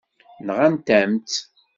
Nɣant-am-tt.